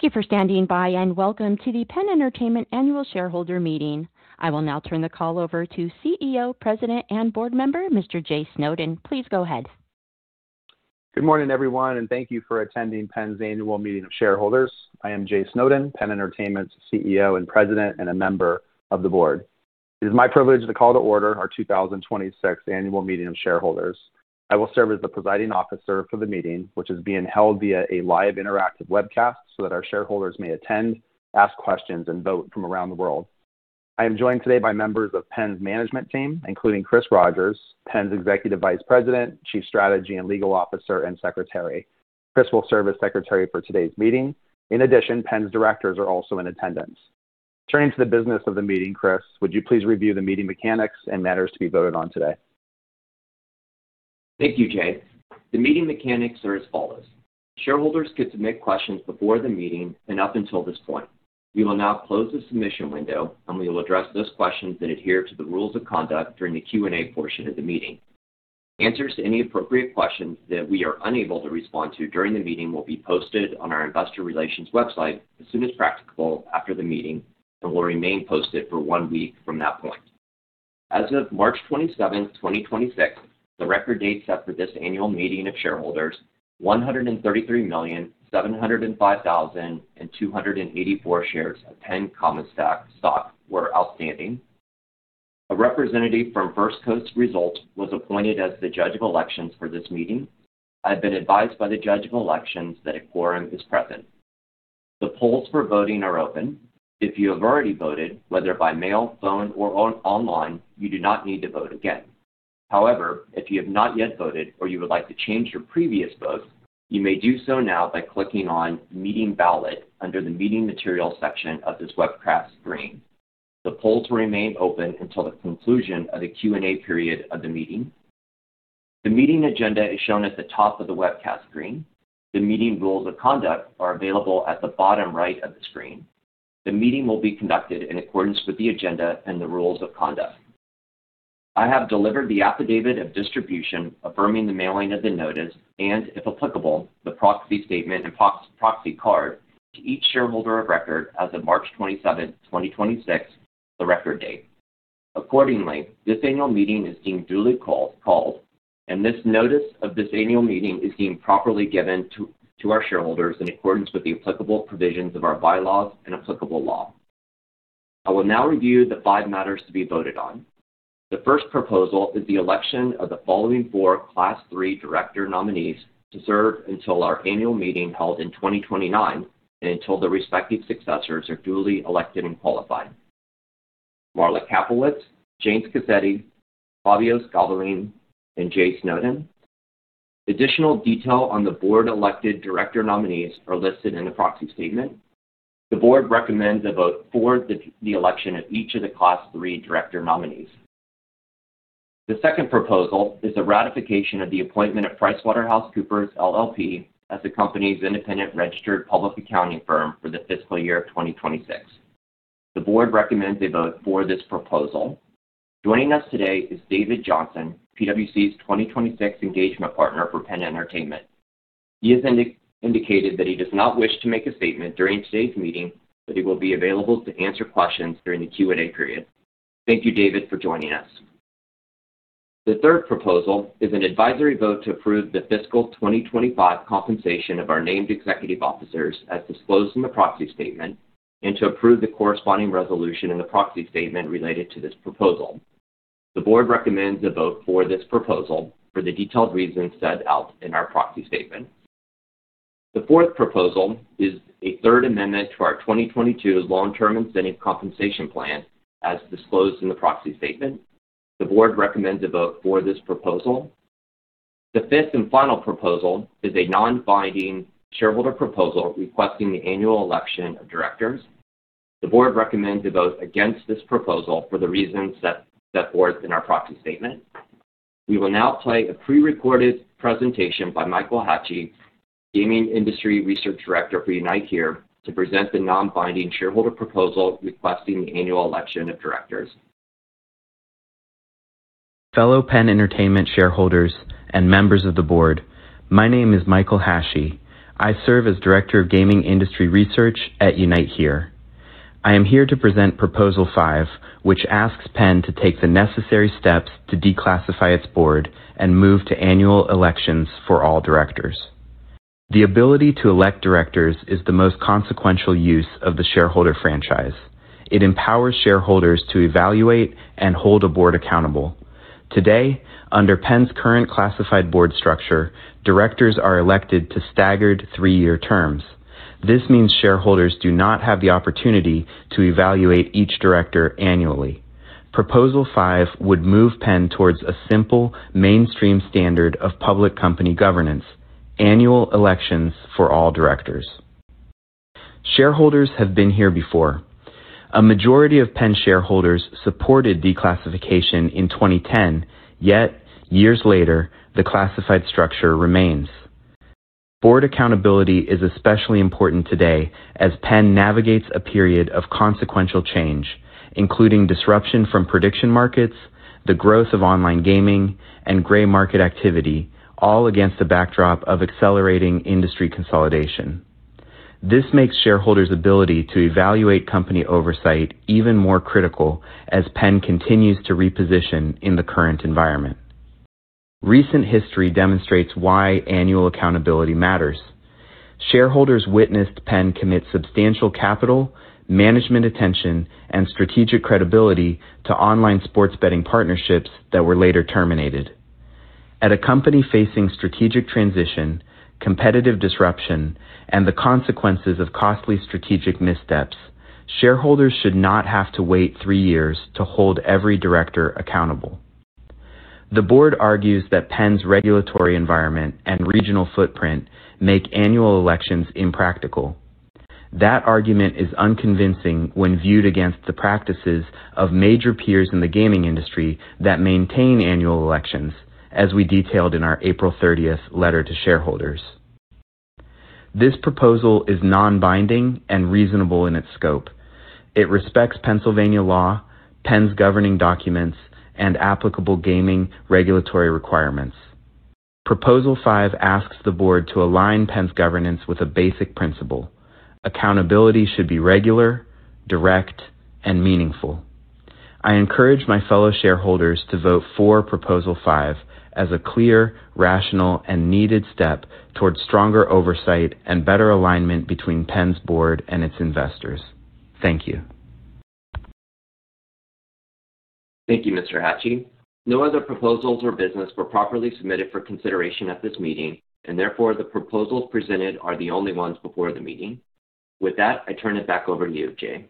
Thank you for standing by, welcome to the PENN Entertainment annual shareholder meeting. I will now turn the call over to CEO, President, and board member, Mr. Jay Snowden. Please go ahead. Good morning, everyone, thank you for attending PENN's annual meeting of shareholders. I am Jay Snowden, PENN Entertainment's CEO and President, and a member of the board. It is my privilege to call to order our 2026 annual meeting of shareholders. I will serve as the presiding officer for the meeting, which is being held via a live interactive webcast so that our shareholders may attend, ask questions, and vote from around the world. I am joined today by members of PENN's management team, including Chris Rogers, PENN's Executive Vice President, Chief Strategy and Legal Officer, and Secretary. Chris will serve as Secretary for today's meeting. In addition, PENN's directors are also in attendance. Turning to the business of the meeting, Chris, would you please review the meeting mechanics and matters to be voted on today? Thank you, Jay. The meeting mechanics are as follows. Shareholders could submit questions before the meeting and up until this point. We will now close the submission window, we will address those questions that adhere to the rules of conduct during the Q&A portion of the meeting. Answers to any appropriate questions that we are unable to respond to during the meeting will be posted on our investor relations website as soon as practicable after the meeting and will remain posted for one week from that point. As of March 27th, 2026, the record date set for this annual meeting of shareholders, 133,705,284 shares of PENN common stock were outstanding. A representative from First Coast Results was appointed as the Judge of Elections for this meeting. I've been advised by the Judge of Elections that a quorum is present. The polls for voting are open. If you have already voted, whether by mail, phone, or online, you do not need to vote again. However, if you have not yet voted or you would like to change your previous vote, you may do so now by clicking on Meeting Ballot under the Meeting Material section of this webcast screen. The polls will remain open until the conclusion of the Q&A period of the meeting. The meeting agenda is shown at the top of the webcast screen. The meeting rules of conduct are available at the bottom right of the screen. The meeting will be conducted in accordance with the agenda and the rules of conduct. I have delivered the affidavit of distribution affirming the mailing of the notice, if applicable, the proxy statement and proxy card to each shareholder of record as of March 27th, 2026, the record date. Accordingly, this annual meeting is deemed duly called, and this notice of this annual meeting is deemed properly given to our shareholders in accordance with the applicable provisions of our bylaws and applicable law. I will now review the five matters to be voted on. The first proposal is the election of the following four Class 3 director nominees to serve until our annual meeting held in 2029 and until the respective successors are duly elected and qualified. Marla Kaplowitz, Jane Scaccetti, Fabio Schiavolin, and Jay Snowden. Additional detail on the board-elected director nominees are listed in the proxy statement. The board recommends a vote for the election of each of the Class 3 director nominees. The second proposal is a ratification of the appointment of PricewaterhouseCoopers LLP as the company's independent registered public accounting firm for the fiscal year of 2026. The board recommends a vote for this proposal. Joining us today is David Johnson, PwC's 2026 engagement partner for PENN Entertainment. He has indicated that he does not wish to make a statement during today's meeting, but he will be available to answer questions during the Q&A period. Thank you, David, for joining us. The third proposal is an advisory vote to approve the fiscal 2025 compensation of our named executive officers as disclosed in the proxy statement and to approve the corresponding resolution in the proxy statement related to this proposal. The board recommends a vote for this proposal for the detailed reasons set out in our proxy statement. The fourth proposal is a third amendment to our 2022 long-term incentive compensation plan, as disclosed in the proxy statement. The board recommends a vote for this proposal. The fifth and final proposal is a non-binding shareholder proposal requesting the annual election of directors. The board recommends a vote against this proposal for the reasons set forth in our proxy statement. We will now play a prerecorded presentation by Michael Hachey, Gaming Industry Research Director for UNITE HERE, to present the non-binding shareholder proposal requesting the annual election of directors. Fellow PENN Entertainment shareholders and members of the board, my name is Michael Hachey. I serve as Director of Gaming Industry Research at UNITE HERE. I am here to present Proposal Five, which asks PENN to take the necessary steps to declassify its board and move to annual elections for all directors. The ability to elect directors is the most consequential use of the shareholder franchise. It empowers shareholders to evaluate and hold a board accountable. Today, under PENN's current classified board structure, directors are elected to staggered three-year terms. This means shareholders do not have the opportunity to evaluate each director annually. Proposal Five would move PENN towards a simple mainstream standard of public company governance, annual elections for all directors. Shareholders have been here before. A majority of PENN shareholders supported declassification in 2010. Yet, years later, the classified structure remains. Board accountability is especially important today as PENN navigates a period of consequential change, including disruption from prediction markets. The growth of online gaming and gray market activity, all against the backdrop of accelerating industry consolidation. This makes shareholders' ability to evaluate company oversight even more critical as PENN continues to reposition in the current environment. Recent history demonstrates why annual accountability matters. Shareholders witnessed PENN commit substantial capital, management attention, and strategic credibility to online sports betting partnerships that were later terminated. At a company facing strategic transition, competitive disruption, and the consequences of costly strategic missteps, shareholders should not have to wait three years to hold every director accountable. The board argues that PENN's regulatory environment and regional footprint make annual elections impractical. That argument is unconvincing when viewed against the practices of major peers in the gaming industry that maintain annual elections, as we detailed in our April 30th letter to shareholders. This Proposal is non-binding and reasonable in its scope. It respects Pennsylvania law, PENN's governing documents, and applicable gaming regulatory requirements. Proposal five asks the board to align PENN's governance with a basic principle: accountability should be regular, direct, and meaningful. I encourage my fellow shareholders to vote for Proposal five as a clear, rational, and needed step towards stronger oversight and better alignment between PENN's board and its investors. Thank you. Thank you, Mr. Hachey. No other Proposals or business were properly submitted for consideration at this meeting, therefore, the Proposals presented are the only ones before the meeting. With that, I turn it back over to you, Jay.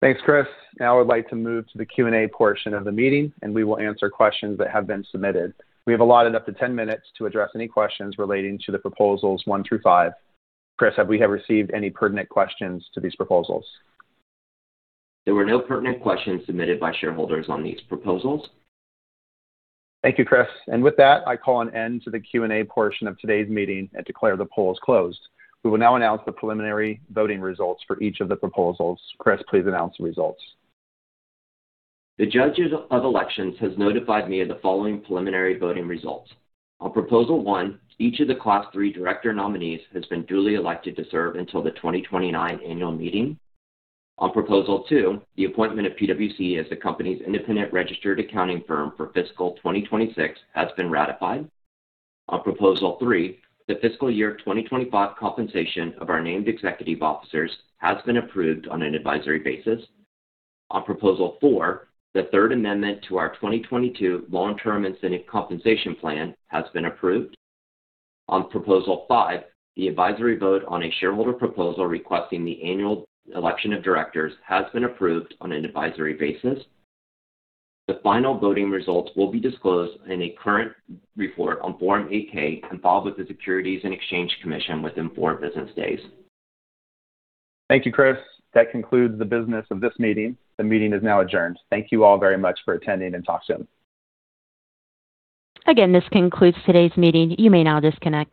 Thanks, Chris. Now I'd like to move to the Q&A portion of the meeting, and we will answer questions that have been submitted. We have allotted up to 10 minutes to address any questions relating to the Proposals one through five. Chris, have we received any pertinent questions to these Proposals? There were no pertinent questions submitted by shareholders on these proposals. Thank you, Chris. With that, I call an end to the Q&A portion of today's meeting and declare the polls closed. We will now announce the preliminary voting results for each of the proposals. Chris, please announce the results. The Judges of Elections has notified me of the following preliminary voting results. On proposal one, each of the class three director nominees has been duly elected to serve until the 2029 annual meeting. On proposal two, the appointment of PwC as the company's independent registered accounting firm for fiscal 2026 has been ratified. On proposal three, the fiscal year 2025 compensation of our named executive officers has been approved on an advisory basis. On proposal four, the third amendment to our 2022 long-term incentive compensation plan has been approved. On proposal five, the advisory vote on a shareholder proposal requesting the annual election of directors has been approved on an advisory basis. The final voting results will be disclosed in a current report on Form 8-K and filed with the Securities and Exchange Commission within four business days. Thank you, Chris. That concludes the business of this meeting. The meeting is now adjourned. Thank you all very much for attending and talk soon. Again, this concludes today's meeting. You may now disconnect.